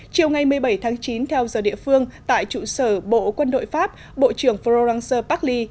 chiều ngày một mươi bảy tháng chín theo giờ địa phương tại trụ sở bộ quân đội pháp bộ trưởng florence pagli